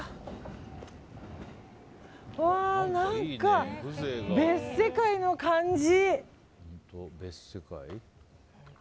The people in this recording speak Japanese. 何か、別世界の感じ。